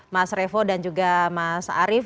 mas revo dan juga mas arief